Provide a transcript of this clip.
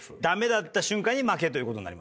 駄目だった瞬間に負けと。